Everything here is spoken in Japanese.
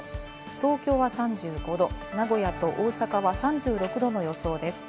東京は３５度、名古屋と大阪は３６度の予想です。